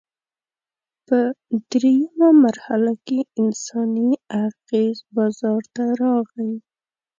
په درېیمه مرحله کې انساني اغېز بازار ته راغی.